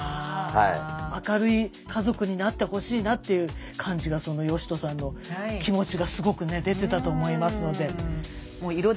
明るい家族になってほしいなっていう感じが嘉人さんの気持ちがすごくね出てたと思いますので。